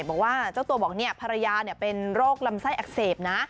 บอกว่าเจ้าตัวบอกภรรยาเป็นโรคลำไส้อักเสบนะ